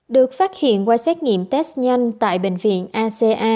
được phát hiện qua xét nghiệm test nhanh tại bệnh viện aca